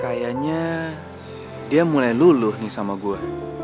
kayaknya dia mulai luluh nih sama gue